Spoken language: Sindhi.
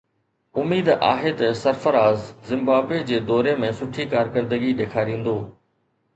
اميد آهي ته سرفراز زمبابوي جي دوري ۾ سٺي ڪارڪردگي ڏيکاريندو